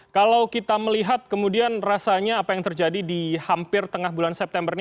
kalau kita melihat kemudian rasanya apa yang terjadi di hampir tengah bulan september ini